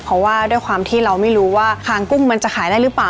เพราะว่าด้วยความที่เราไม่รู้ว่าคางกุ้งมันจะขายได้หรือเปล่า